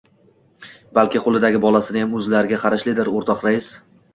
— Balki qo‘lidagi bolasiyam... o‘zlariga qarashlidir, o‘rtoq rais?